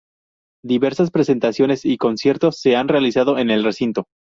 Diversas presentaciones y conciertos se han realizado en el recinto.